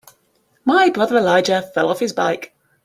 My brother Elijah fell off his bike.